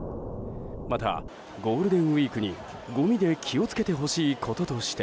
また、ゴールデンウィークにごみで気を付けてほしいこととして。